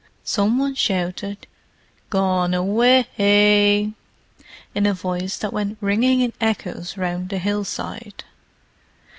Some one shouted "Gone awa a y!" in a voice that went ringing in echoes round the hillside.